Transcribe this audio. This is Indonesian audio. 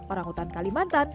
orang hutan kalimantan